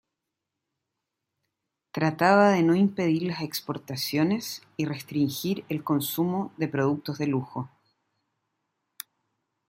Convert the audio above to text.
Trataba de no impedir las exportaciones y restringir el consumo de productos de lujo.